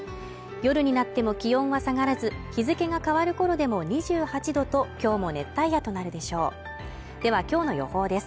夜になっても気温が下がらず日付が変わるころでも２８度と今日も熱帯夜となるでしょうではきょうの予報です